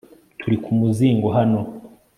turi ku muzingo hano